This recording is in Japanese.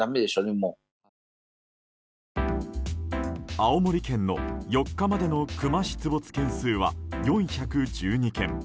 青森県の４日までのクマ出没件数は４１２件。